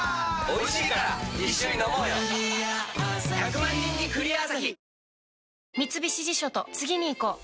１００万人に「クリアアサヒ」